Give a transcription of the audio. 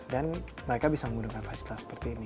dan mereka bisa menggunakan fasilitas seperti ini